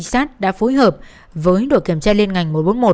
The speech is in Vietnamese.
giảm đổi kiểm tra liên ngành một trăm bốn mươi một